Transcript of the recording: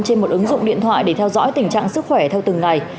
trên một ứng dụng điện thoại để theo dõi tình trạng sức khỏe theo từng ngày